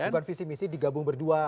bukan visi misi digabung berdua